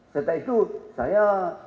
setelah itu saya